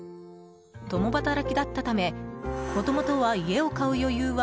共働きだったためもともとは家を買う余裕は